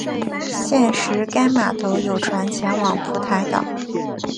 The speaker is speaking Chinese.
现时该码头有船前往蒲台岛。